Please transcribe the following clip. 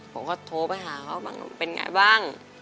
ผมก็โทรไปหาเขาบอกว่าเป็นอย่างไรบ้าง